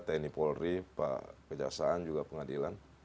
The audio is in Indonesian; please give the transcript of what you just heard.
tni polri pak kejaksaan juga pengadilan